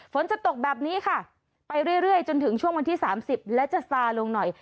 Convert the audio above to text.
ฝนจะตกแบบนี้ค่ะไปเรื่อยจนถึงช่วงวันที่๓๐และจะซาลงหน่อย